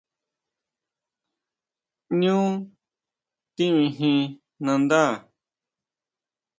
¿ʼÑu timijin nandá?